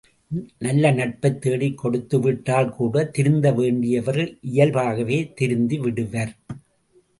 நல்ல நட்பைத் தேடிக் கொடுத்துவிட்டால்கூட, திருந்த வேண்டியவர் இயல்பாகவே திருந்திவிடுவர்.